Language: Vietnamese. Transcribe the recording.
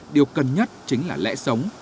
điều cần nhất chính là lẽ sống